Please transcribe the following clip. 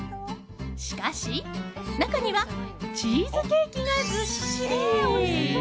しかし、中にはチーズケーキがずっしり。